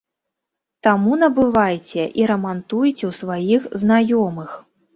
Таму набывайце і рамантуйце ў сваіх знаёмых.